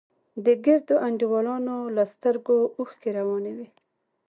د ګردو انډيوالانو له سترگو اوښکې روانې وې.